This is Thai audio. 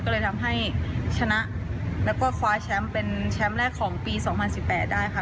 ก็เลยทำให้ชนะแล้วก็คว้าแชมป์เป็นแชมป์แรกของปี๒๐๑๘ได้ค่ะ